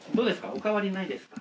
お変わりないですか？